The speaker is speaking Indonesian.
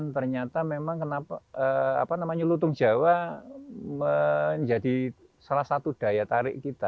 ternyata memang lutung jawa menjadi salah satu daya tarik kita